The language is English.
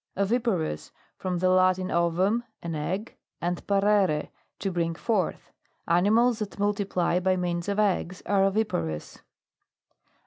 OVIPAROUS. From the Latin, ovum, an egg, and parere, to bring forth. Animals that multiply by means of eggs, are oviparous.